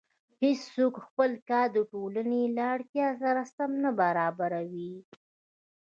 هېڅوک خپل کار د ټولنې له اړتیا سره سم نه برابروي